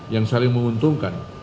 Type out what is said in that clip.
yang saling menguntungkan